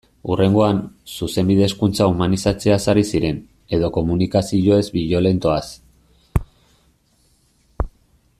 Hurrengoan, Zuzenbide-hezkuntza humanizatzeaz ari ziren, edo komunikazio ez-biolentoaz...